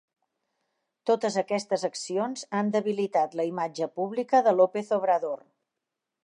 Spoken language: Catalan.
Totes aquestes accions han debilitat la imatge pública de López Obrador.